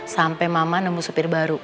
sampai mama nemu supir baru